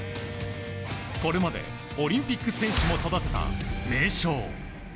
これまでオリンピック選手も育てた名将。